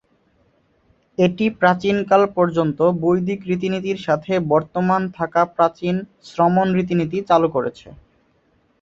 এটি প্রাচীন কাল পর্যন্ত বৈদিক রীতিনীতির সাথে বর্তমান থাকা প্রাচীন শ্রমণ রীতিনীতি চালু করেছে।